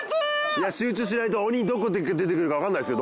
いや集中しないと鬼どこ出てくるか分かんないですよ